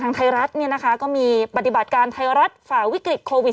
ทางไทยรัฐก็มีปฏิบัติการไทยรัฐฝ่าวิกฤติโควิด๑๙